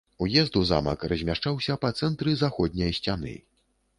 Уезд у замак размяшчаўся па цэнтры заходняй сцяны.